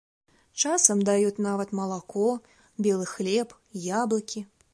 Часам даюць нават малако, белы хлеб, яблыкі.